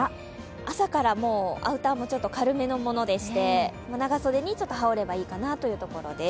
朝から、もうアウターもちょっと軽めのものでして、長袖にちょっと羽織ればいいかなというところです。